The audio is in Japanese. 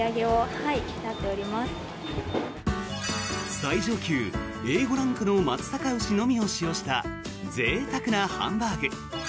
最上級Ａ５ランクの松阪牛のみを使用したぜいたくなハンバーグ。